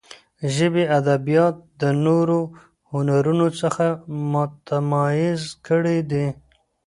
ژبې ادبیات د نورو هنرونو څخه متمایزه کړي دي.